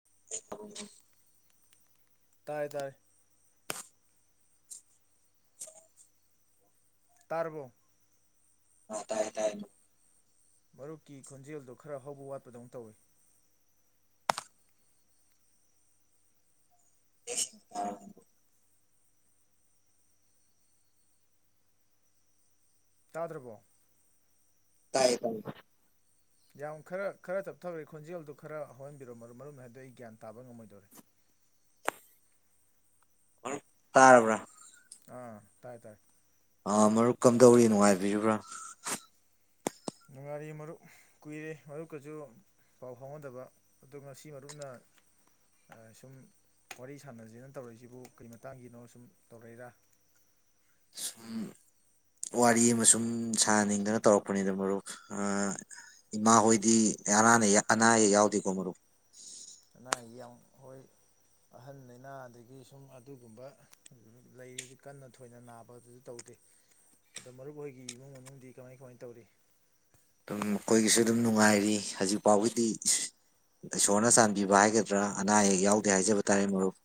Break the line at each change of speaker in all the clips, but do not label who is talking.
[inaudible] [unintelligible]
ꯇꯥꯏ ꯇꯥꯔꯦ꯫ ꯇꯔꯕꯣ꯫
ꯑ ꯇꯥꯏ-ꯇꯥꯏ꯫
ꯃꯔꯨꯞꯀꯤ ꯈꯣꯟꯖꯦꯜꯗꯨ ꯈꯔ ꯍꯧꯕ ꯋꯥꯠꯄꯗꯧ ꯇꯧꯋꯤ꯫ ꯇꯥꯗ꯭ꯔꯕꯣ꯫
ꯇꯥꯏꯌꯦ-ꯇꯥꯏꯌꯦ꯫
ꯌꯥꯝ ꯈꯔ ꯈꯔ ꯇꯞꯊꯈ꯭ꯔꯦ ꯈꯣꯟꯖꯦꯜꯗꯨ ꯈꯔ ꯍꯧꯍꯟꯕꯤꯔꯣ ꯃꯔꯨꯞ ꯃꯔꯨꯞꯅ ꯍꯥꯏꯕꯗꯣ ꯑꯩ ꯒ꯭ꯌꯥꯟ ꯇꯥꯕ ꯉꯝꯃꯣꯏꯗꯧꯔꯦ꯫
ꯃꯔꯨꯞ ꯇꯥꯔꯕ꯭ꯔꯥ꯫
ꯑꯥ ꯇꯥꯏ-ꯇꯥꯏ꯫
ꯑꯥ ꯃꯔꯨꯞ ꯀꯝꯗꯧꯔꯤ ꯅꯨꯡꯉꯥꯏꯕꯤꯔꯤꯕ꯭ꯔꯥ꯫
ꯅꯨꯡꯉꯥꯏꯔꯤ ꯃꯔꯨꯞ ꯀꯨꯏꯔꯦ ꯃꯔꯨꯞꯀꯁꯨ ꯄꯥꯎ ꯐꯥꯎꯅꯗꯕ ꯑꯗꯣ ꯉꯁꯤ ꯃꯔꯨꯞꯅ ꯁꯨꯝ ꯋꯥꯔꯤ ꯁꯥꯟꯅꯖꯦꯅ ꯇꯧꯔꯛꯏꯁꯤꯕꯨ ꯀꯔꯤ ꯃꯇꯥꯡꯒꯤꯅꯣ ꯁꯨꯝ ꯇꯧꯔꯛꯏꯔꯥ꯫
ꯁꯨꯝ ꯋꯥꯔꯤ ꯑꯃ ꯁꯨꯝ ꯁꯥꯅꯤꯡꯗꯅ ꯇꯧꯔꯛꯄꯅꯤꯗ ꯃꯔꯨꯞ ꯑ ꯏꯃꯥ ꯍꯣꯏꯗꯤ ꯑꯅꯥ ꯑꯅꯥ ꯑꯌꯦꯛ ꯌꯥꯎꯗꯦꯀꯣ ꯃꯔꯨꯞ꯫
ꯑꯅꯥ ꯑꯌꯦꯛ ꯌꯥꯝ ꯍꯣꯏ ꯑꯍꯟ ꯂꯩꯅꯥ ꯑꯗꯒꯤ ꯁꯨꯝ ꯑꯗꯨꯒꯨꯝꯕ ꯂꯩꯔꯤ ꯀꯟꯅ ꯊꯣꯏꯅ ꯅꯥꯕ ꯑꯗꯨꯁꯨ ꯇꯧꯗꯦ ꯑꯗꯣ ꯃꯔꯨꯞ ꯍꯣꯏꯒꯤ ꯏꯃꯨꯡ ꯃꯅꯨꯡꯗꯤ ꯀꯃꯥꯏ ꯀꯃꯥꯏ ꯇꯧꯔꯤ꯫
ꯑꯗꯨꯝ ꯃꯈꯣꯏꯒꯤꯁꯨ ꯑꯗꯨꯝ ꯅꯨꯡꯉꯥꯏꯔꯤ ꯍꯧꯖꯤꯛ ꯐꯥꯎꯒꯤꯗꯤ ꯏꯁꯣꯔꯅ ꯆꯥꯟꯕꯤꯕ ꯍꯥꯏꯒꯗ꯭ꯔꯥ ꯑꯅꯥ ꯑꯌꯦꯛ ꯌꯥꯎꯗꯦ ꯍꯥꯏꯖꯕ ꯇꯥꯔꯦ ꯃꯔꯨꯞ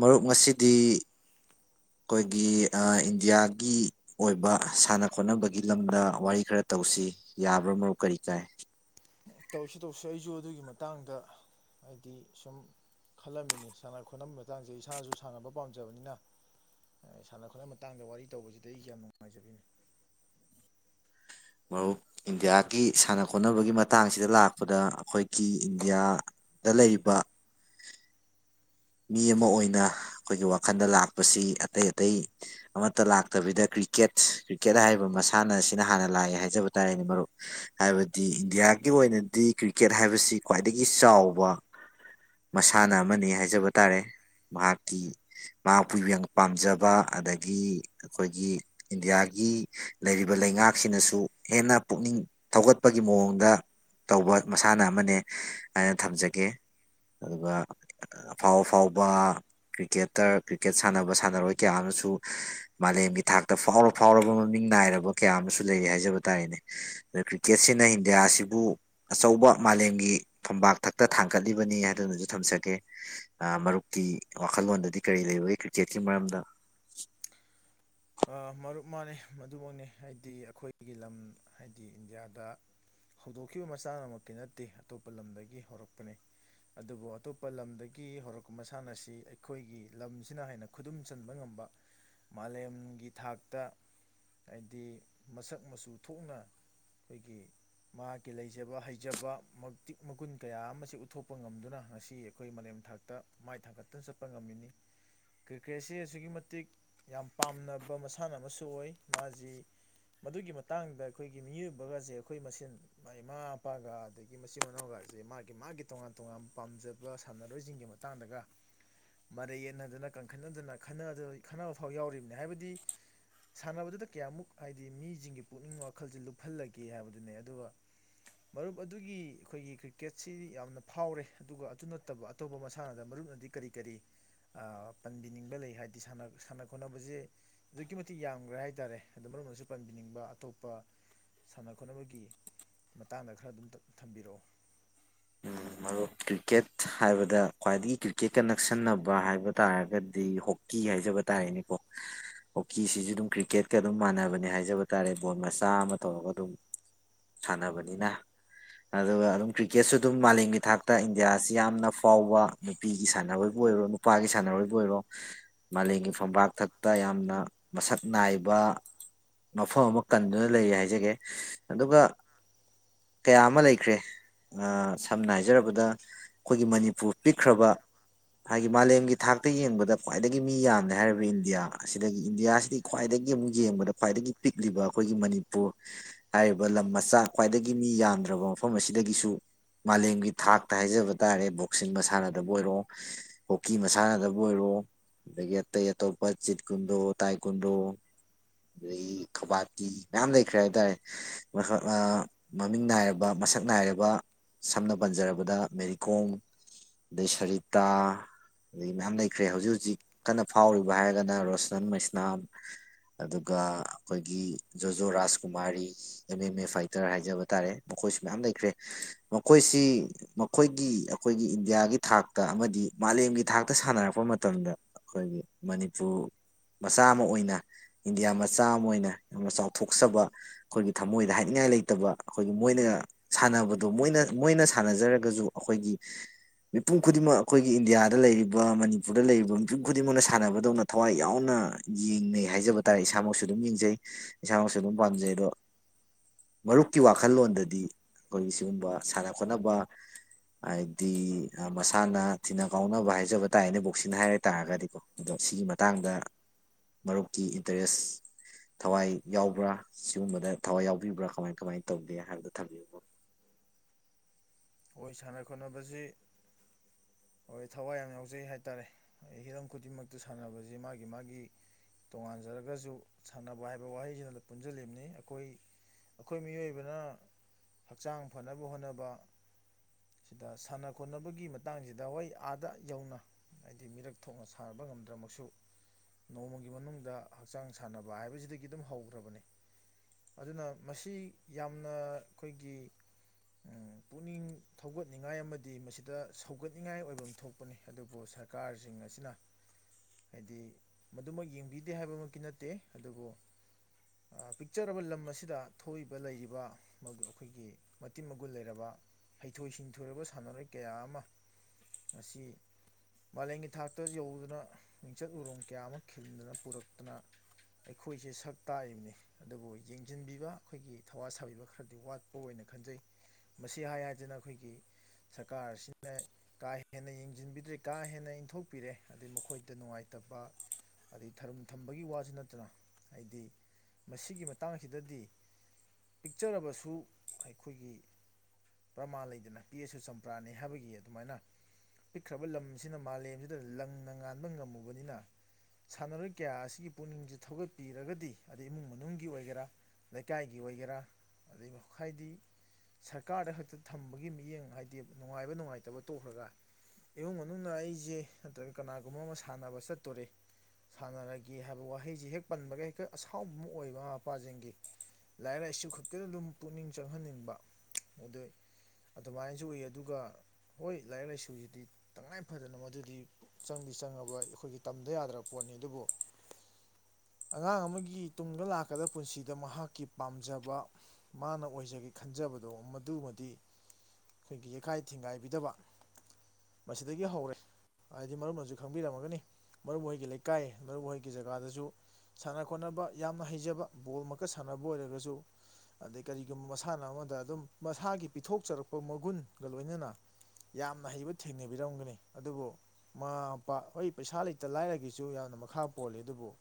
ꯃꯔꯨꯞ ꯉꯁꯤꯗꯤ ꯑꯩꯈꯣꯏꯒꯤ ꯑ ꯏꯟꯗꯤꯌꯥꯒꯤ ꯑꯣꯏꯕ ꯁꯥꯟꯅ ꯈꯣꯠꯅꯕꯒꯤ ꯂꯝꯗ ꯋꯥꯔꯤ ꯈꯔ ꯇꯧꯁꯤ ꯌꯥꯕ꯭ꯔꯥ ꯃꯔꯨꯞ ꯀꯔꯤ ꯀꯥꯏ꯫
ꯇꯧꯁꯤ ꯇꯧꯁꯨ ꯑꯩꯁꯨ ꯑꯗꯨꯒꯤ ꯃꯇꯥꯡꯗ ꯍꯥꯏꯗꯤ ꯁꯨꯝ ꯈꯜꯂꯝꯃꯤꯅꯤ ꯁꯥꯟꯅ ꯈꯣꯠꯅꯕ ꯃꯇꯥꯡꯁꯦ ꯑꯩ ꯏꯁꯥꯅꯁꯨ ꯁꯥꯟꯅꯕ ꯄꯥꯝꯖꯕꯅꯤꯅ ꯁꯥꯟꯅ ꯈꯣꯠꯅꯕ ꯃꯇꯥꯡꯗ ꯋꯥꯔꯤ ꯇꯧꯕꯁꯤꯗ ꯑꯩ ꯌꯥꯝ ꯅꯨꯡꯉꯥꯏꯖꯕꯤꯅꯤ꯫
ꯃꯔꯨꯞ ꯏꯟꯗꯤꯌꯥꯒꯤ ꯁꯥꯟꯅ ꯈꯣꯠꯅꯕꯒꯤ ꯃꯇꯥꯡꯁꯤꯗ ꯂꯥꯛꯄꯗ ꯑꯩꯈꯣꯏꯒꯤ ꯏꯟꯗꯤꯌꯥꯗ ꯂꯩꯔꯤꯕ ꯃꯤ ꯑꯃ ꯑꯣꯏꯅ ꯑꯩꯈꯣꯏꯒꯤ ꯋꯥꯈꯜꯗ ꯂꯥꯛꯄꯁꯤ ꯑꯇꯩ ꯑꯇꯩ ꯑꯃꯠꯇ ꯂꯥꯛꯇꯕꯤꯗ ꯀ꯭ꯔꯤꯛꯀꯦꯠ ꯀ꯭ꯔꯤꯛꯀꯦꯠ ꯍꯥꯏꯔꯤꯕ ꯃꯁꯥꯟꯅ ꯑꯁꯤꯅ ꯍꯥꯟꯅ ꯂꯥꯛꯑꯦ ꯍꯥꯏꯖꯕ ꯇꯥꯔꯦꯅꯦ ꯃꯔꯨꯞ ꯍꯥꯏꯕꯗꯤ ꯏꯟꯗꯤꯌꯥꯒꯤ ꯑꯣꯏꯅꯗꯤ ꯀ꯭ꯔꯤꯛꯀꯦꯠ ꯍꯥꯏꯕꯁꯤ ꯈ꯭ꯋꯥꯏꯗꯒꯤ ꯆꯥꯎꯕ ꯃꯁꯥꯟꯅ ꯑꯃꯅꯤ ꯍꯥꯏꯖꯕ ꯇꯥꯔꯦ ꯃꯍꯥꯛꯀꯤ ꯃꯍꯥꯛꯄꯨꯕꯨ ꯌꯥꯝ ꯄꯥꯝꯖꯕ ꯑꯗꯒꯤ ꯑꯩꯈꯣꯏꯒꯤ ꯏꯟꯗꯤꯌꯥꯒꯤ ꯂꯩꯔꯤꯕ ꯂꯩꯉꯥꯛꯁꯤꯅꯁꯨ ꯍꯦꯟꯅ ꯄꯨꯛꯅꯤꯡ ꯊꯧꯒꯠꯄꯒꯤ ꯃꯑꯣꯡꯗ ꯇꯧꯕ ꯃꯁꯥꯟꯅ ꯑꯃꯅꯦ ꯍꯥꯏꯅ ꯊꯝꯖꯒꯦ ꯑꯗꯨꯒ ꯐꯥꯎꯐꯥꯎꯕ ꯀ꯭ꯔꯤꯛꯀꯦꯠꯇꯔ ꯀ꯭ꯔꯤꯛꯀꯦꯠ ꯁꯥꯟꯅꯕ ꯁꯥꯟꯅꯔꯣꯏ ꯀꯌꯥ ꯑꯃꯁꯨ ꯃꯥꯂꯦꯝꯒꯤ ꯊꯥꯛꯇ ꯐꯥꯎꯔ ꯐꯥꯎꯔꯕ ꯃꯃꯤꯡ ꯅꯥꯏꯔꯕ ꯀꯌꯥ ꯑꯃꯁꯨ ꯂꯩꯔꯤ ꯍꯥꯏꯖꯕ ꯇꯥꯔꯦꯅꯦ ꯑꯗꯨ ꯀ꯭ꯔꯤꯛꯀꯦꯠꯁꯤꯅ ꯏꯟꯗꯤꯌꯥ ꯑꯁꯤꯕꯨ ꯑꯆꯧꯕ ꯃꯥꯂꯦꯝꯒꯤ ꯊꯣꯄꯥꯛ ꯊꯛꯇ ꯊꯥꯡꯒꯠꯂꯤꯕꯅꯤ ꯍꯥꯏꯗꯨꯅꯁꯨ ꯊꯝꯖꯒꯦ ꯃꯔꯨꯞꯀꯤ ꯋꯥꯈꯜꯂꯣꯟꯗꯗꯤ ꯀꯔꯤ ꯂꯩꯕꯏ ꯀ꯭ꯔꯤꯀꯦꯠꯀꯤ ꯃꯔꯝꯗ
ꯃꯔꯨꯞ ꯃꯥꯅꯤ ꯃꯗꯨꯃꯛꯅꯤ ꯍꯥꯏꯗꯤ ꯑꯩꯈꯣꯏꯒꯤ ꯂꯝ ꯍꯥꯏꯗꯤ ꯏꯟꯗꯤꯌꯥꯗ ꯍꯧꯗꯣꯛꯈꯤꯕ ꯃꯁꯥꯟꯅꯃꯛꯇꯤ ꯅꯠꯇꯦ ꯑꯇꯣꯞꯄ ꯂꯝꯗꯒꯤ ꯍꯧꯔꯛꯄꯅꯤ ꯑꯗꯨꯕꯨ ꯑꯇꯣꯞꯄ ꯂꯝꯗꯒꯤ ꯍꯧꯔꯛꯄ ꯃꯁꯥꯟꯅ ꯑꯁꯤ ꯑꯩꯈꯣꯏꯒꯤ ꯂꯝꯁꯤꯅ ꯍꯦꯟꯅ ꯈꯨꯗꯨꯝ ꯆꯟꯕ ꯉꯝꯕ ꯃꯥꯂꯦꯝ ꯊꯥꯛꯇ ꯍꯥꯏꯗꯤ ꯃꯁꯛ ꯃꯆꯨ ꯊꯣꯛꯅ ꯑꯩꯈꯣꯏꯒꯤ ꯃꯥ ꯂꯩꯖꯕ ꯍꯩꯖꯕꯤꯛ ꯃꯒꯨꯟ ꯀꯌꯥ ꯑꯃꯁ ꯎꯠꯊꯣꯛꯄ ꯉꯝꯗꯨꯅ ꯉꯁꯤ ꯑꯩꯈꯣꯏ ꯃꯥꯂꯦꯝ ꯊꯥꯛꯇ ꯃꯥꯏ ꯊꯥꯡꯒꯠꯇꯨꯅ ꯆꯠꯄ ꯉꯝꯃꯤꯅꯤ ꯀ꯭ꯔꯤꯀꯦꯠꯁꯦ ꯑꯁꯨꯛꯀꯤ ꯃꯇꯤꯛ ꯌꯥꯝ ꯄꯥꯝꯅꯕ ꯐꯕ ꯃꯁꯥꯟꯅ ꯑꯃꯁꯨ ꯑꯣꯏ ꯃꯥꯁꯤ ꯃꯗꯨꯒꯤ ꯃꯇꯥꯡꯗ ꯑꯩꯈꯣꯏꯒꯤ ꯃꯤꯑꯣꯏꯕꯒꯁꯦ ꯑꯩꯈꯣꯏ ꯃꯁꯦꯟ ꯃꯃꯥ ꯃꯄꯥꯒ ꯑꯗꯒꯤ ꯃꯆꯤꯟ ꯃꯅꯥꯎꯒꯁꯦ ꯃꯥꯒꯤ ꯃꯥꯒꯤ ꯇꯣꯉꯥꯟ ꯇꯣꯉꯥꯟꯕ ꯄꯥꯝꯖꯕ ꯁꯥꯟꯅꯔꯣꯏꯁꯤꯡꯒꯤ ꯃꯇꯥꯡꯗꯒ ꯃꯔꯩ ꯌꯦꯠꯅꯗꯅ ꯀꯟꯈꯠꯅꯗꯅ ꯈꯟꯅꯕ ꯐꯥꯎ ꯌꯥꯎꯔꯤꯕꯅꯤ ꯍꯥꯏꯕꯗꯤ ꯁꯥꯟꯅꯕꯗꯨꯗ ꯀꯌꯥꯃꯨꯛ ꯍꯥꯏꯗꯤ ꯃꯤꯁꯤꯡꯒꯤ ꯄꯨꯛꯅꯤꯡ ꯋꯥꯈꯜꯁꯦ ꯂꯨꯞꯍꯜꯂꯒꯦ ꯍꯥꯏꯕꯗꯨꯅꯦ ꯑꯗꯨꯒ ꯃꯔꯨꯞ ꯑꯗꯨꯒꯤ ꯑꯩꯈꯣꯏꯒꯤ ꯀ꯭ꯔꯤꯛꯀꯦꯠꯁꯤ ꯌꯥꯝꯅ ꯐꯥꯎꯔꯦ ꯑꯗꯨꯒ ꯑꯗꯨ ꯅꯠꯇꯕ ꯑꯇꯣꯞꯄ ꯃꯁꯥꯟꯅꯗ ꯃꯔꯨꯞꯅꯗꯤ ꯀꯔꯤ ꯀꯔꯤ ꯄꯟꯕꯤꯅꯤꯡꯕ ꯂꯩ ꯍꯥꯏꯕꯗꯤ ꯁꯥꯟꯅ ꯈꯣꯠꯅꯕꯁꯦ ꯑꯗꯨꯛꯀꯤ ꯃꯇꯤꯛ ꯌꯥꯝꯈ꯭ꯔꯦ ꯍꯥꯏ ꯇꯔꯦ ꯑꯗꯣ ꯃꯔꯝꯅꯁꯨ ꯄꯟꯕꯤꯅꯤꯡꯕ ꯑꯇꯣꯞꯄ ꯁꯥꯟꯅ ꯈꯣꯠꯅꯕꯒꯤ ꯃꯇꯥꯡꯗ ꯈꯔ ꯑꯗꯨꯝ ꯊꯝꯕꯤꯔꯛꯑꯣ
ꯃꯔ ꯀ꯭ꯔꯤꯛꯀꯦꯠ ꯍꯥꯏꯕꯗ ꯈ꯭ꯋꯥꯏꯗꯒꯤ ꯀ꯭ꯔꯤꯛꯀꯦꯠꯀ ꯅꯛꯁꯟꯅꯕ ꯍꯥꯏꯕ ꯇꯥꯔꯒꯗꯤ ꯍꯣꯛꯀꯤ ꯍꯥꯏꯖꯕ ꯇꯥꯔꯦꯅꯦꯀꯣ ꯍꯣꯛꯀꯤꯁꯤꯁꯨ ꯑꯗꯨꯝ ꯀ꯭ꯔꯤꯛꯀꯦꯠꯀ ꯑꯗꯨꯝ ꯃꯥꯟꯅꯕꯅꯦ ꯍꯥꯏꯖꯕ ꯇꯥꯔꯦ ꯕꯣꯜ ꯃꯆꯥ ꯑꯃ ꯇꯧꯔꯒ ꯑꯗꯨꯝ ꯁꯥꯟꯅꯕꯅꯤꯅ ꯑꯗꯨꯒ ꯑꯗꯨꯝ ꯀ꯭ꯔꯤꯛꯀꯦꯠꯁꯨ ꯑꯗꯨꯝ ꯃꯥꯂꯦꯝꯒꯤ ꯊꯥꯛꯇ ꯏꯟꯗꯤꯌꯥꯁꯤ ꯌꯥꯝꯅ ꯐꯥꯎꯕ ꯅꯨꯄꯤꯒꯤ ꯁꯥꯟꯅꯔꯣꯏꯕꯨ ꯑꯣꯏꯔꯣ ꯅꯨꯄꯥꯒꯤ ꯁꯥꯟꯅꯔꯣꯏꯕꯨ ꯑꯣꯏꯔꯣ ꯃꯥꯂꯦꯝꯒꯤ ꯐꯝꯄꯥꯛꯥꯛ ꯊꯛꯇ ꯌꯥꯝꯅ ꯃꯁꯛ ꯅꯥꯏꯕ ꯃꯐꯝ ꯑꯃ ꯀꯟꯗꯨꯅ ꯂꯩꯌꯦ ꯍꯥꯏꯖꯒꯦ ꯑꯗꯨꯒ ꯀꯌꯥ ꯑꯃ ꯂꯩꯈ꯭ꯔꯦ ꯁꯝꯅ ꯍꯥꯏꯖꯔꯕꯗ ꯑꯩꯈꯣꯏꯒꯤ ꯃꯅꯤꯄꯨꯔ ꯄꯤꯛꯈ꯭ꯔꯕ ꯍꯥꯏꯗꯤ ꯃꯥꯂꯦꯝꯒꯤ ꯊꯥꯛꯇ ꯌꯦꯡꯕꯗ ꯈ꯭ꯋꯥꯏꯗꯒꯤ ꯃꯤ ꯌꯥꯝꯗꯦ ꯍꯥꯏꯔꯤꯕ ꯏꯟꯗꯤꯌꯥ ꯑꯁꯤꯗꯒꯤ ꯏꯟꯗꯤꯌꯥꯁꯤꯗꯤ ꯈ꯭ꯋꯥꯏꯗꯒꯤ ꯑꯃꯨꯛ ꯌꯦꯡꯕꯗ ꯈ꯭ꯋꯥꯏꯗꯒꯤ ꯄꯤꯛꯂꯤꯕ ꯑꯩꯈꯣꯏꯒꯤ ꯃꯅꯤꯄꯨꯔ ꯍꯥꯏꯔꯤꯕ ꯂꯝ ꯃꯆꯥ ꯈ꯭ꯋꯥꯏꯗꯒꯤ ꯃꯤ ꯌꯥꯝꯟꯗ꯭ꯔꯕ ꯃꯐꯝ ꯑꯁꯤꯗꯒꯤꯁꯨ ꯃꯥꯂꯦꯝꯒꯤ ꯊꯥꯛꯇ ꯍꯥꯏꯖꯕ ꯇꯥꯔꯦ ꯕꯣꯛꯁꯤꯡ ꯃꯁꯥꯟꯅꯗꯕ ꯑꯣꯏꯔꯣ ꯍꯣꯛꯀꯤ ꯃꯁꯥꯟꯅꯗꯕꯨ ꯑꯣꯏꯔꯣ ꯑꯗꯒꯤ ꯑꯇꯩ ꯑꯇꯣꯞꯄ ꯆꯤꯠꯀꯨꯟꯗꯣ ꯇꯥꯏꯀꯨꯟꯗꯣ ꯑꯗꯒꯤ ꯀꯕꯥꯇ ꯃꯌꯥꯝ ꯂꯩꯈ꯭ꯔꯦ ꯍꯥꯏꯕ ꯇꯥꯔꯦ ꯃꯃꯤꯡ ꯅꯥꯏꯔꯕ ꯃꯁꯛ ꯅꯥꯏꯔꯕ ꯁꯝꯅ ꯄꯟꯖꯔꯕꯗ ꯃꯦꯔꯤ ꯀꯣꯝ ꯑꯗꯩ ꯁꯔꯤꯇꯥ ꯑꯗꯒꯤ ꯃꯌꯥꯝ ꯂꯩꯈ꯭ꯔꯦ ꯍꯧꯖꯤꯛ ꯍꯧꯖꯤꯛ ꯀꯟꯅ ꯐꯥꯎꯔꯤꯕ ꯍꯥꯏꯔꯒꯅ ꯔꯣꯁꯅꯟ ꯃꯩꯁꯅꯥꯝ ꯑꯗꯨꯒ ꯑꯩꯈꯣꯏꯒꯤ ꯖꯣꯖꯣ ꯔꯥꯥꯁꯀꯨꯃꯥꯔꯤ ꯑꯦꯝ ꯑꯦꯝ ꯑꯦ ꯐꯥꯏꯇꯔ ꯍꯥꯏꯖꯕ ꯇꯥꯔꯦ ꯃꯈꯣꯏꯁꯨ ꯃꯌꯥꯝ ꯂꯩꯈ꯭ꯔꯦ ꯃꯈꯣꯏꯁꯤ ꯃꯈꯣꯏꯒꯤ ꯑꯩꯈꯣꯏꯒꯤ ꯏꯟꯗꯤꯌꯥꯒꯤ ꯊꯥꯛꯇ ꯑꯃꯗꯤ ꯃꯥꯂꯦꯝꯒꯤ ꯊꯥꯛꯇ ꯁꯥꯟꯅꯔꯛꯄ ꯃꯇꯝꯗ ꯑꯩꯈꯣꯏꯒꯤ ꯃꯅꯤꯄꯨꯔ ꯃꯆꯥ ꯑꯃ ꯑꯣꯏꯅ ꯏꯟꯗꯤꯌꯥ ꯃꯆꯥ ꯑꯃ ꯑꯣꯏꯅ ꯌꯥꯝꯅ ꯆꯥꯎꯊꯣꯛꯆꯕ ꯑꯩꯈꯣꯏꯒꯤ ꯊꯃꯣꯏꯗ ꯍꯥꯏꯅꯤꯡꯉꯥꯏ ꯂꯩꯇꯕ ꯑꯩꯈꯣꯏꯒꯤ ꯃꯣꯏꯅ ꯁꯥꯟꯅꯕꯗꯣ ꯃꯣꯏꯅ ꯃꯣꯏꯅ ꯁꯥꯟꯅꯖꯔꯒꯁꯨ ꯑꯩꯈꯣꯏꯒꯤ ꯃꯤꯄꯨꯝ ꯈꯨꯗꯤꯡꯃꯛ ꯑꯩꯈꯣꯏꯒꯤ ꯏꯟꯗꯤꯌꯥꯗ ꯂꯩꯔꯤꯕ ꯃꯅꯤꯄꯨꯔꯗ ꯂꯩꯔꯤꯕ ꯃꯤꯄꯨꯝ ꯈꯨꯗꯤꯡꯃꯛꯅ ꯁꯥꯟꯅꯕꯗꯧꯅ ꯊꯋꯥꯏ ꯌꯥꯎꯅ ꯌꯦꯡꯅꯩ ꯍꯥꯏꯖꯕ ꯇꯥꯔꯦ ꯏꯁꯥꯃꯛꯁꯨ ꯑꯗꯨꯝ ꯌꯦꯡꯖꯩ ꯏꯁꯥꯃꯛꯁꯨ ꯑꯗꯨꯝ ꯄꯥꯝꯖꯩ ꯑꯗꯣ ꯃꯔꯨꯞꯀꯤ ꯋꯥꯈꯜꯂꯣꯟꯗꯗꯤ ꯑꯩꯈꯣꯏꯒꯤ ꯁꯤꯒꯨꯝꯕ ꯁꯥꯟꯅ ꯈꯣꯠꯅꯕ ꯍꯥꯏꯗꯤ ꯃꯁꯥꯅ ꯊꯤꯅ ꯀꯥꯎꯅꯕ ꯍꯥꯏꯖꯕ ꯇꯥꯏꯅꯦ ꯕꯣꯛꯁꯤꯡ ꯍꯥꯏ ꯇꯥꯔꯒꯗꯤꯀꯣ ꯑꯗꯣ ꯁꯤꯒꯤ ꯃꯇꯥꯡꯗ ꯃꯔꯨꯞꯀꯤ ꯏꯟꯇꯔꯦꯁ ꯊꯋꯥꯏ ꯌꯥꯎꯕ꯭ꯔꯥ ꯁꯤꯒꯨꯝꯕꯗ ꯊꯋꯥꯏ ꯌꯥꯎꯕꯤꯕ꯭ꯔꯥ ꯀꯃꯥꯏ ꯀꯃꯥꯏꯅ ꯇꯧꯒꯦ ꯍꯥꯏꯕꯗꯣ ꯊꯝꯕꯤꯌꯨꯕ
ꯍꯣꯏ ꯁꯥꯟꯅ ꯈꯣꯠꯅꯕꯁꯤ ꯍꯣꯏ ꯊꯋꯥꯏ ꯌꯥꯝ ꯌꯥꯎꯖꯩ ꯍꯥꯏ ꯇꯔꯦ ꯍꯤꯔꯝ ꯈꯨꯗꯤꯡꯃꯛꯇ ꯁꯥꯟꯅꯕꯁꯤ ꯃꯥꯒꯤ ꯃꯥꯒꯤ ꯇꯣꯉꯥꯟꯖꯔꯒꯁꯨ ꯁꯥꯟꯅꯕ ꯍꯥꯏꯕ ꯋꯥꯍꯩꯁꯤꯅ ꯄꯨꯟꯁꯤꯜꯂꯤꯕꯅꯤ ꯑꯩꯈꯣꯏ ꯑꯩꯈꯣꯏ ꯃꯤꯑꯣꯏꯕꯅ ꯍꯛꯆꯥꯡ ꯐꯅꯕ ꯍꯣꯠꯅꯕ ꯁꯤꯗ ꯁꯥꯟꯅ ꯈꯣꯠꯅꯕꯒꯤ ꯃꯇꯥꯡꯁꯤꯗ ꯍꯣꯏ ꯑꯥꯗ ꯌꯧꯅ ꯍꯥꯏꯗꯤ ꯃꯤꯔꯛ ꯊꯣꯛꯅ ꯁꯥꯟꯅꯕ ꯉꯝꯗ꯭ꯔꯃꯁꯨ ꯅꯣꯡꯃꯒꯤ ꯃꯅꯨꯡꯗ ꯍꯛꯆꯥꯡ ꯁꯥꯟꯅꯕ ꯍꯥꯏꯕꯁꯤꯗꯒꯤ ꯑꯗꯨꯝ ꯍꯧꯈ꯭ꯔꯕꯅꯤ ꯑꯗꯨꯅ ꯃꯁꯤ ꯌꯥꯝꯅ ꯑꯩꯈꯣꯏꯒꯤ ꯄꯨꯛꯅꯤꯡ ꯊꯧꯒꯠꯅꯤꯡꯉꯥꯏ ꯑꯃꯗꯤ ꯃꯁꯤꯗ ꯁꯧꯒꯠꯅꯤꯡꯉꯥꯏ ꯑꯣꯏꯕ ꯑꯃ ꯊꯣꯛꯄꯅꯤ ꯑꯗꯨꯕꯨ ꯁꯔꯀꯥꯔꯁꯤꯡ ꯑꯁꯤꯅ ꯍꯥꯏꯗꯤ ꯃꯗꯨꯃꯛ ꯌꯦꯡꯕꯤꯗꯦ ꯍꯥꯏꯕꯃꯛꯀꯤ ꯅꯠꯇꯦ ꯑꯗꯨꯕꯨ ꯄꯤꯛꯆꯔꯕ ꯂꯝ ꯑꯁꯤꯗ ꯊꯣꯛꯏꯕ ꯂꯩꯔꯤꯕ ꯑꯩꯈꯣꯏꯒꯤ ꯃꯇꯤ ꯃꯒꯨꯟ ꯂꯩꯔꯕ ꯍꯩꯊꯣꯏ ꯁꯤꯡꯊꯣꯏꯔꯕ ꯁꯥꯟꯅꯔꯣꯏ ꯀꯌꯥ ꯑꯃ ꯃꯁꯤ ꯃꯥꯂꯦꯝꯒꯤ ꯊꯥꯛꯇ ꯌꯧꯗꯨꯅ ꯃꯤꯡꯆꯠ ꯎꯣꯡ ꯀꯌꯥ ꯑꯃ ꯈꯤꯟꯗꯨꯅ ꯄꯨꯔꯛꯇꯨꯅ ꯑꯩꯈꯣꯏꯁꯦ ꯁꯛ ꯇꯥꯛꯏꯕꯅꯤ ꯑꯗꯨꯕꯨ ꯌꯦꯡꯁꯤꯟꯕꯤꯕ ꯑꯩꯈꯣꯏꯒꯤ ꯊꯋꯥ ꯁꯥꯕꯤꯕ ꯈꯔꯗꯤ ꯋꯥꯠꯄ ꯑꯣꯏꯅ ꯈꯟꯖꯩ ꯃꯁꯤ ꯍꯥꯏ ꯑꯗꯨꯅ ꯑꯩꯈꯣꯏꯒꯤ ꯁꯔꯀꯥꯔ ꯑꯁꯤꯅ ꯀꯥ ꯍꯦꯟꯅ ꯌꯦꯡꯁꯤꯟꯕꯤꯗ꯭ꯔꯦ ꯀꯥ ꯍꯦꯟꯅ ꯏꯟꯊꯣꯛꯄꯤꯔꯦ ꯑꯗꯩ ꯃꯈꯣꯏꯗ ꯅꯨꯡꯉꯥꯏꯇꯕ ꯑꯗꯩ ꯊꯔꯝ ꯊꯝꯕꯒꯤ ꯋꯥꯁꯨ ꯅꯠꯇꯅ ꯍꯥꯏꯗꯤ ꯃꯁꯤꯒꯤ ꯃꯇꯥꯡꯁꯤꯗꯗꯤ ꯄꯤꯛꯆꯔꯕꯁꯨ ꯑꯩꯈꯣꯏꯒꯤ ꯄ꯭ꯔꯃꯥ ꯂꯩꯗꯅ ꯄꯤꯛꯑꯁꯨ ꯆꯝꯄ꯭ꯔꯥꯅꯤ ꯍꯥꯏꯕꯒꯤ ꯑꯗꯨꯃꯥꯏꯅ ꯄꯤꯛꯈ꯭ꯔꯕ ꯂꯝꯁꯤꯅ ꯃꯥꯂꯦꯝꯁꯤꯗ ꯂꯪꯅ ꯉꯥꯟꯕ ꯉꯝꯃꯨꯕꯅꯤꯅ ꯁꯥꯟꯅꯔꯣꯏ ꯀꯌꯥ ꯑꯁꯤꯒꯤ ꯄꯨꯛꯅꯤꯡꯁꯦ ꯊꯧꯒꯠꯄꯤꯔꯒꯗꯤ ꯑꯗꯩ ꯏꯃꯨꯡ ꯃꯅꯨꯡꯒꯤ ꯑꯣꯏꯒꯦꯔꯥ ꯂꯩꯀꯥꯏꯒꯤ ꯑꯣꯏꯒꯦꯔꯥ ꯑꯗꯩ ꯍꯥꯏꯗꯤ ꯁꯔꯀꯥꯔꯗꯛ ꯍꯦꯛꯇ ꯊꯝꯕꯒꯤ ꯃꯤꯠꯌꯦꯡ ꯍꯥꯏꯗꯤ ꯅꯨꯡꯉꯥꯏꯕ ꯅꯨꯡꯉꯥꯏꯇꯕ ꯇꯣꯛꯈ꯭ꯔꯒ ꯏꯃꯨꯡ ꯃꯅꯨꯡꯅ ꯑꯩꯁꯦ ꯅꯠꯇ꯭ꯔꯒ ꯀꯅꯥꯒꯨꯝꯕ ꯑꯃ ꯁꯥꯟꯅꯕ ꯆꯠꯇꯣꯔꯦ ꯁꯥꯟꯅꯔꯒꯦ ꯍꯥꯏꯕ ꯋꯥꯍꯩꯁꯦ ꯍꯦꯛ ꯄꯟꯕꯒ ꯍꯦꯛꯇ ꯑꯁꯥꯎꯕ ꯑꯃ ꯑꯣꯏꯕ ꯃꯃꯥ ꯃꯄꯥꯁꯤꯡꯒꯤ ꯂꯥꯏꯔꯤꯛ ꯂꯥꯏꯁꯨ ꯈꯛꯇꯅ ꯑꯗꯨꯝ ꯄꯨꯛꯅꯤꯡ ꯆꯪꯍꯟꯅꯤꯡꯕ ꯑꯗꯨ ꯑꯗꯨꯃꯥꯏꯅꯁꯨ ꯎꯏ ꯑꯗꯨꯒ ꯍꯣꯏ ꯂꯥꯏꯔꯤꯛ ꯂꯥꯏꯁꯨꯁꯤꯗꯤ ꯇꯉꯥꯏ ꯐꯗꯅ ꯃꯗꯨꯗꯤ ꯆꯪꯗꯤ ꯆꯪꯉꯕ ꯑꯩꯈꯣꯏꯒꯤ ꯇꯝꯗ ꯌꯥꯗ꯭ꯔꯕ ꯄꯣꯠꯅꯤ ꯑꯗꯨꯕꯨ ꯑꯉꯥꯡ ꯑꯃꯒꯤ ꯇꯨꯡꯗ ꯂꯥꯛꯀꯗꯕ ꯄꯨꯟꯁꯤꯗ ꯃꯍꯥꯛꯀꯤ ꯄꯥꯝꯖꯕ ꯃꯥꯅ ꯑꯣꯏꯖꯒꯦ ꯈꯟꯖꯕꯗꯣ ꯃꯗꯨꯃꯗꯤ ꯑꯩꯈꯣꯏꯒꯤ ꯌꯀꯥꯏ ꯊꯤꯡꯒꯥꯏꯕꯤꯗꯕ ꯃꯁꯤꯗꯒꯤ ꯍꯧꯔꯦ ꯍꯥꯏꯗꯤ ꯃꯔꯨꯞꯅꯁꯨ ꯈꯪꯕꯤꯔꯝꯃꯒꯅꯤ ꯃꯔꯨꯞ ꯍꯣꯏꯒꯤ ꯂꯩꯀꯥꯏ ꯃꯔꯨꯞ ꯍꯣꯏꯒꯤ ꯖꯒꯥꯗꯁꯨ ꯁꯥꯟꯅ ꯈꯣꯠꯅꯕ ꯌꯥꯝꯅ ꯍꯩꯖꯕ ꯕꯣꯜ ꯃꯀ ꯁꯥꯟꯅꯕ ꯑꯣꯏꯔꯒꯁꯨ ꯑꯗꯩ ꯀꯔꯤꯒꯨꯝꯕ ꯃꯁꯥꯟꯅ ꯑꯃꯗ ꯑꯗꯨꯝ ꯃꯁꯥꯒꯤ ꯄꯤꯊꯣꯛꯆꯔꯛꯄ ꯃꯒꯨꯟꯒ ꯂꯣꯏꯅꯅ ꯌꯥꯝꯅ ꯍꯩꯕ ꯊꯦꯡꯅꯕꯤꯔꯝꯒꯅꯤ ꯑꯗꯨꯕꯨ ꯃꯃꯥ ꯃꯄꯥ ꯍꯣꯏ ꯄꯩꯁꯥ ꯂꯩꯇ ꯂꯥꯏꯔꯒꯤꯁꯨ ꯌꯥꯝꯅ ꯃꯈꯥ ꯄꯣꯜꯂꯤ ꯑꯗꯨꯕꯨ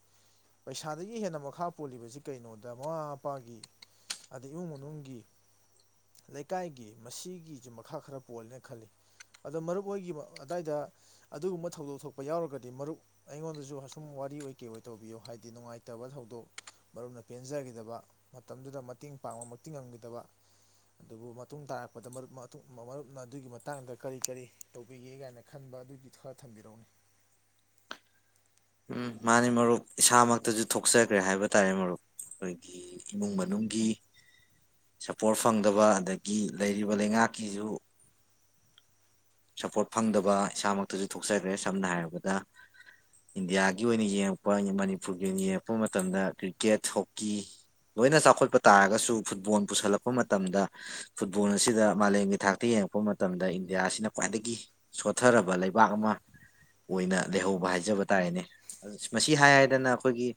ꯄꯩꯁꯥꯗꯒꯤ ꯍꯦꯟꯅ ꯃꯈꯥ ꯄꯣꯜꯂꯤꯕꯁꯤ ꯀꯩꯅꯣꯗ ꯃꯃꯥ ꯃꯄꯥꯒꯤ ꯑꯗꯩ ꯏꯃꯨꯡ ꯃꯅꯨꯡꯒꯤ ꯏꯀꯥꯏꯒꯤ ꯃꯁꯤꯒꯤꯁꯨ ꯃꯈꯥ ꯈꯔ ꯄꯣꯜꯂꯦꯅ ꯈꯜꯂꯤ ꯑꯗꯣ ꯃꯔꯨꯞ ꯑꯣꯏꯒꯤ ꯑꯗꯨꯗꯥꯏꯗ ꯑꯗꯨꯒꯨꯝꯕ ꯊꯧꯗꯣꯛ ꯊꯣꯛꯄ ꯌꯥꯎꯔꯒꯗꯤ ꯃꯔꯨꯞ ꯑꯩꯉꯣꯟꯗꯁꯨ ꯑꯁꯨꯝ ꯋꯥꯔꯤ ꯑꯣꯏ ꯀꯩ ꯑꯣꯏ ꯇꯧꯕꯤꯌꯨ ꯍꯥꯏꯗꯤ ꯅꯨꯡꯉꯥꯏꯇꯕ ꯊꯧꯗꯣꯛ ꯃꯔꯨꯞꯅ ꯄꯦꯟꯖꯈꯤꯗꯕ ꯃꯇꯝꯗꯨꯗ ꯃꯇꯦꯡ ꯄꯥꯡꯕꯃꯛꯇꯤ ꯉꯝꯈꯤꯗꯕ ꯑꯗꯨꯕꯨ ꯃꯇꯨꯡ ꯇꯥꯔꯛꯄꯗ ꯃꯔꯨꯞꯅ ꯑꯗꯨꯒꯤ ꯃꯇꯥꯡꯗ ꯀꯔꯤ ꯀꯔꯤ ꯇꯧꯕꯤꯒꯦ ꯀꯥꯏꯅ ꯈꯟꯕ ꯑꯗꯨꯒꯤ ꯈꯔ ꯊꯝꯕꯤꯔꯛꯅꯤ
ꯎꯝ ꯃꯥꯅꯤ ꯃꯔꯨꯞ ꯏꯁꯥꯃꯛꯇꯁꯨ ꯊꯣꯛꯆꯈ꯭ꯔꯦ ꯍꯥꯏꯕ ꯇꯥꯔꯦ ꯃꯔꯨꯞ ꯑꯩꯈꯣꯏꯒꯤ ꯏꯃꯨꯡ ꯃꯅꯨꯡꯒꯤ ꯁꯄꯣꯔꯠ ꯐꯪꯗꯕ ꯑꯗꯒꯤ ꯂꯩꯔꯤꯕ ꯂꯩꯉꯥꯛꯀꯤꯁꯨ ꯁꯄꯣꯔꯠ ꯐꯪꯗꯕ ꯏꯁꯥꯃꯛꯇꯁꯨ ꯊꯣꯛꯆꯈ꯭ꯔꯦ ꯁꯝꯅ ꯍꯥꯏꯔꯕꯗ ꯏꯟꯗꯤꯌꯥꯒꯤ ꯑꯣꯏꯅ ꯌꯦꯡꯉꯛꯄ ꯃꯅꯤꯄꯨꯔꯒꯤ ꯑꯣꯏꯅ ꯌꯦꯡꯉꯛꯄ ꯃꯇꯝꯗ ꯀ꯭ꯔꯤꯛꯀꯦꯠ ꯍꯣꯛꯀꯤ ꯂꯣꯏꯅ ꯆꯥꯎꯈꯠꯄ ꯇꯥꯔꯒꯁꯨ ꯐꯨꯠꯕꯣꯜ ꯄꯨꯁꯜꯂꯛꯄ ꯃꯇꯝꯗ ꯐꯨꯠꯕꯣꯜ ꯑꯁꯤꯗ ꯃꯥꯂꯦꯝꯒꯤ ꯊꯥꯛꯇ ꯌꯦꯡꯉꯛꯄ ꯃꯇꯝꯗ ꯏꯟꯗꯤꯌꯥꯁꯤꯅ ꯈ꯭ꯋꯥꯏꯗꯒꯤ ꯁꯣꯊꯔꯕ ꯂꯩꯕꯥꯛ ꯑꯃ ꯑꯣꯏꯅ ꯂꯩꯍꯧꯕ ꯍꯥꯏꯖꯕ ꯇꯥꯔꯦꯅꯦ ꯃꯁꯤ ꯍꯥꯏꯗꯅ ꯑꯩꯈꯣꯏꯒꯤ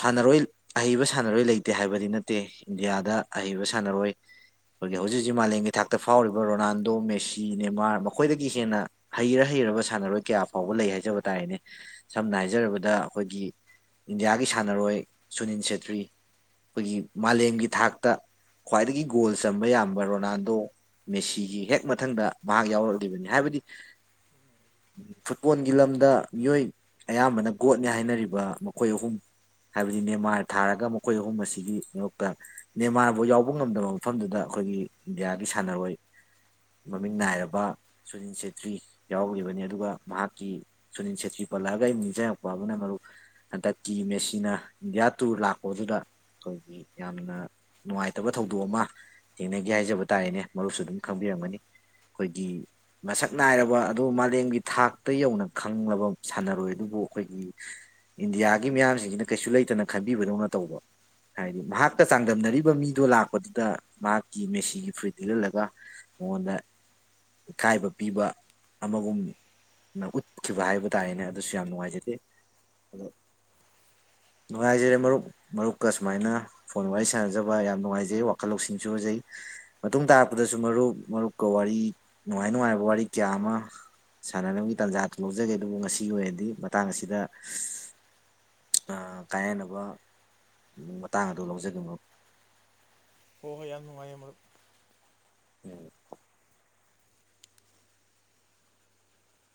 ꯁꯥꯟꯅꯔꯣꯏ ꯑꯍꯩꯕ ꯁꯥꯟꯅꯔꯣꯏ ꯂꯩꯇꯦ ꯍꯥꯏꯕꯗꯤ ꯅꯠꯇꯦ ꯏꯟꯗꯤꯌꯥꯗ ꯑꯍꯩꯕ ꯁꯥꯟꯅꯔꯣꯏ ꯑꯩꯈꯣꯏꯒꯤ ꯍꯧꯖꯤꯛ ꯍꯧꯖꯤꯛ ꯃꯥꯂꯦꯝꯒꯤ ꯊꯥꯛꯇ ꯐꯥꯎꯔꯤꯕ ꯔꯣꯅꯥꯟ ꯗꯣ ꯃꯦꯁꯤ ꯅꯦꯃꯥꯔ ꯃꯈꯣꯏꯗꯒꯤ ꯍꯦꯟꯅ ꯍꯩꯔ ꯍꯩꯔꯕ ꯁꯥꯟꯅꯔꯣꯏ ꯀꯌꯥ ꯐꯥꯎꯕ ꯂꯩ ꯍꯥꯏꯖꯕ ꯇꯥꯔꯦꯅꯦ ꯁꯝꯅ ꯍꯥꯏꯖꯔꯕꯗ ꯑꯩꯈꯣꯏꯒꯤ ꯏꯟꯗꯤꯌꯥꯒꯤ ꯁꯥꯟꯅꯔꯣꯏ ꯁꯨꯅꯤꯟ ꯁꯦꯇ꯭ꯔꯤ ꯑꯩꯈꯣꯏꯒꯤ ꯃꯥꯂꯦꯝꯒꯤ ꯊꯥꯛꯇ ꯈ꯭ꯋꯥꯏꯗꯒꯤ ꯒꯣꯜ ꯆꯝꯕ ꯌꯥꯝꯕ ꯔꯣꯅꯥꯜꯗꯣ ꯃꯦꯁꯤꯒꯤ ꯍꯦꯛ ꯛ ꯃꯊꯪꯗ ꯃꯍꯥꯛ ꯌꯥꯎꯔꯛꯂꯤꯕꯅꯤ ꯍꯥꯏꯕꯗꯤ ꯐꯨꯠꯕꯣꯜꯒꯤ ꯂꯝꯗ ꯃꯤꯑꯣꯏ ꯑꯌꯥꯝꯕꯅ ꯒꯣꯠꯅꯤ ꯍꯥꯏꯅꯔꯤꯕ ꯃꯈꯣꯏ ꯑꯍꯨꯝ ꯍꯥꯏꯕꯗꯤ ꯅꯦꯟꯃꯥꯔ ꯊꯥꯔꯒ ꯃꯈꯣꯏ ꯑꯍꯨꯝ ꯑꯁꯤꯒꯤ ꯃꯔꯛꯇ ꯃꯦꯟꯃꯥꯔꯕꯨꯥꯎ ꯌꯥꯎꯕ ꯉꯝꯗꯕ ꯃꯐꯝꯗꯨꯗ ꯑꯩꯈꯣꯏꯒꯤ ꯏꯟꯗꯤꯌꯥꯒꯤ ꯁꯥꯟꯅꯔꯣꯏ ꯃꯃꯤꯡ ꯅꯥꯏꯔꯕ ꯁꯨꯅꯤꯜ ꯁꯦꯇ꯭ꯔꯤ ꯌꯥꯎꯕꯅꯤ ꯑꯗꯨꯒ ꯃꯍꯥꯛꯀꯤ ꯁꯨꯅꯤꯜ ꯁꯦꯇ꯭ꯔꯤ ꯄꯜꯂꯛꯑꯒ ꯑ ꯅꯤꯡꯁꯤꯡꯔꯛꯄ ꯑꯃꯅ ꯃꯔꯨꯞ ꯍꯟꯗꯛꯀꯤ ꯃꯦꯁꯤꯅ ꯏꯟꯗꯤꯌꯥ ꯇꯨꯔ ꯂꯥꯛꯄꯗꯨꯗ ꯑꯩꯈꯣꯏꯒꯤ ꯌꯥꯝꯅ ꯅꯨꯡꯉꯥꯏꯇꯕ ꯊꯧꯗꯣꯛ ꯑꯃ ꯊꯦꯡꯅꯒꯦ ꯍꯥꯏꯖꯕ ꯇꯥꯔꯦꯅꯦ ꯃꯔꯨꯞꯁꯨ ꯑꯗꯨꯝ ꯈꯪꯕꯤꯔꯝꯒꯅꯤ ꯑꯩꯈꯣꯏꯒꯤ ꯃꯁꯛ ꯅꯥꯏꯔꯕ ꯑꯗꯨ ꯃꯥꯂꯦꯝꯒꯤ ꯊꯥꯛꯇ ꯌꯧꯅ ꯈꯪꯂꯕ ꯁꯥꯟꯅꯔꯣꯏ ꯑꯗꯨꯕꯨ ꯑꯩꯈꯣꯏꯒꯤ ꯏꯟꯗꯤꯌꯥꯒꯤ ꯃꯤꯌꯥꯝꯁꯤꯡꯁꯤꯅ ꯀꯩꯁꯨ ꯂꯩꯇꯅ ꯈꯟꯕꯤꯕꯗꯧꯅ ꯇꯧꯕ ꯍꯥꯏꯗꯤ ꯃꯍꯥꯛꯀ ꯆꯥꯡꯗꯝꯅꯔꯤꯕ ꯃꯤꯗꯣ ꯂꯥꯛꯄꯗꯨꯗ ꯃꯍꯥꯛꯀꯤ ꯃꯦꯁꯤꯒꯤ ꯐꯨꯔꯤꯠ ꯊꯤꯜꯍꯜꯂꯒ ꯃꯉꯣꯟꯗ ꯏꯀꯥꯏꯕ ꯄꯤꯕ ꯑꯃꯒꯨꯝꯅ ꯎꯠꯈꯤꯕ ꯍꯥꯏꯕ ꯇꯥꯔꯦꯅꯦ ꯑꯗꯨꯁꯨ ꯌꯥꯝ ꯅꯨꯡꯉꯥꯏꯖꯗꯦ ꯑꯗꯣ ꯅꯨꯡꯉꯥꯏꯖꯔꯦ ꯃꯔꯨꯞ ꯃꯔꯨꯞꯀ ꯁꯨꯃꯥꯏꯅ ꯐꯣꯟ ꯋꯥꯔꯤ ꯁꯥꯟꯅꯖꯕ ꯌꯥꯝ ꯅꯨꯡꯉꯥꯏꯖꯩ ꯋꯥꯈꯜ ꯂꯧꯁꯤꯡꯁꯨ ꯑꯣꯏꯖꯩ ꯃꯇꯨꯡ ꯇꯥꯔꯛꯄꯗꯁꯨ ꯃꯔꯨꯞ ꯃꯔꯨꯞꯀ ꯋꯥꯔꯤ ꯅꯨꯡꯉꯥꯏ ꯅꯨꯡꯉꯥꯏꯕ ꯋꯥꯔꯤ ꯀꯌꯥ ꯑꯃ ꯁꯥꯟꯅꯅꯕꯒꯤ ꯇꯥꯟꯖꯥꯗꯨ ꯂꯧꯖꯒꯦ ꯑꯗꯨꯕꯨ ꯉꯁꯤꯒꯤ ꯑꯣꯏꯅꯗꯤ ꯃꯇꯥꯡ ꯑꯁꯤꯗ ꯀꯥꯏꯅꯅꯕ ꯃꯇꯥꯡ ꯑꯗꯨ ꯂꯧꯖꯒꯦ ꯃꯔꯨꯞ
ꯍ ꯍꯣꯏ ꯌꯥꯝ ꯅꯨꯡꯉꯥꯏꯦ ꯃꯔ
ꯎꯝ